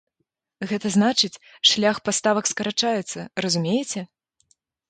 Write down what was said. Гэта значыць, шлях паставак скарачаецца, разумееце?